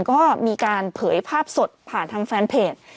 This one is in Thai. ก็มีการเผยภาพสดผ่านทางแฟนเพจ